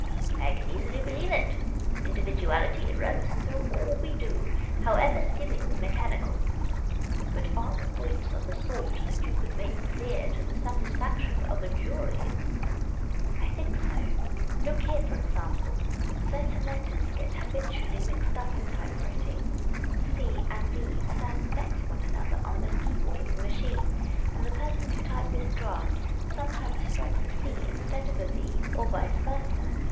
" I can easily believe it. Individuality runs through all we do, however seemingly mechanical. But are the points of a sort that you could make clear in court to the satisfaction of a j ury ?''" I think so. Look here, for example. Certain letters get habitually mixed up in typewriting ; c and v stand next one another on the keyboard of the machine, and the per.son who typed this draft sometimes strikes a c instead of a v, or 2'?V<? versa.